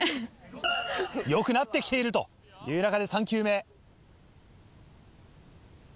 よくなってきているという中で３球目。